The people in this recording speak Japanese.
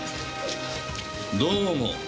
どうも。